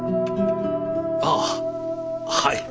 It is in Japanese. ああはい。